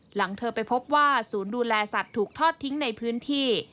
หลังเธอไปพบว่าศูนย์ดูแลสัตว์ถูกทอดทิ้งในพื้นที่